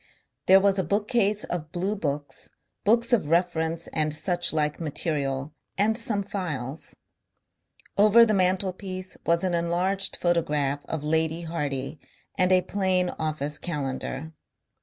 There was a bookcase of bluebooks, books of reference and suchlike material, and some files. Over the mantelpiece was an enlarged photograph of Lady Hardy and a plain office calendar.